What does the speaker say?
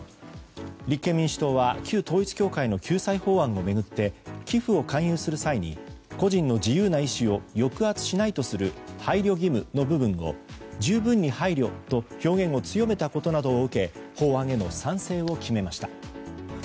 立憲民主党は旧統一教会の救済法案を巡って寄付を勧誘する際に個人の自由な意思を抑圧しないとする配慮義務の部分を十分に配慮と表現を強めたことなどを受け法案への賛成を決めました。